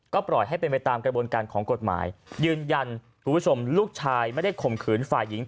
ก็ปล่อยให้เป็นไปตามกระบวนการของกฎหมายยืนยันคุณผู้ชมลูกชายไม่ได้ข่มขืนฝ่ายหญิง